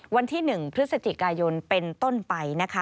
วันที่๑พฤศจิกายนเป็นต้นไปนะคะ